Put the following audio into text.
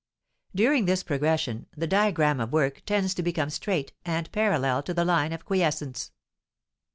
During this progression the diagram of work tends to become straight, and parallel to the line of quiescence.